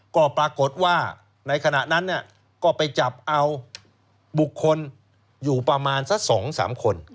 ก็ปรากฏว่าในขณะนั้นก็ไปจับเอาบุคคลอยู่ประมาณสัก๒๓คน